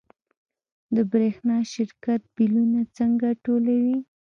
د برښنا شرکت بیلونه څنګه ټولوي؟